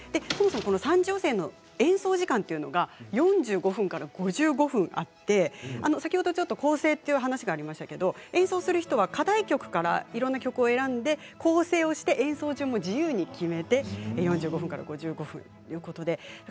三次予選の演奏時間というのは４５分から５５分あって先ほど構成という話がありましたけれど、演奏する人は課題曲からいろんな曲を選んで構成をして演奏順も自分で自由に作ることができます。